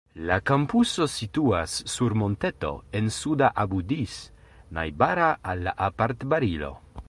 La kampuso situas sur monteto en suda Abu Dis najbara al la apartbarilo.